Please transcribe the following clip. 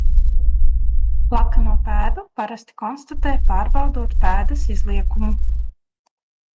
Plakano pēdu parasti konstatē pārbaudot pēdas izliekumu.